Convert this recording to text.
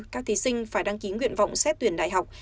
các thí sinh phải đăng ký nguyện vọng xét tuyển đại học